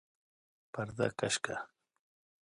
پرده کش کړه!